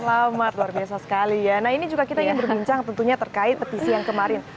selamat luar biasa sekali ya nah ini juga kita ingin berbincang tentunya terkait petisi yang kemarin